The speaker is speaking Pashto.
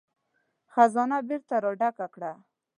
خزانه بېرته را ډکه کړه.